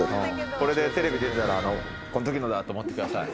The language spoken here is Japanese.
これでテレビ出てたらこのときのだって思ってください。